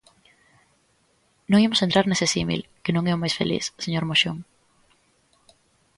Non imos entrar nese símil, que non é o máis feliz, señor Moxón.